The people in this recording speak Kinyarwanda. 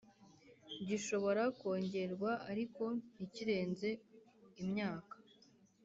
gishobora kongerwa ariko ntikirenze imyaka.